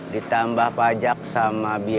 ditambah pajak sama biaya